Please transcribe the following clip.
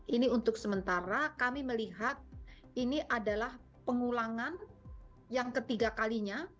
ini untuk sementara kami melihat ini adalah pengulangan yang ketiga kalinya